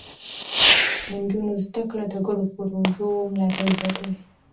د نجونو زده کړه د ګډو پروژو ملاتړ زياتوي.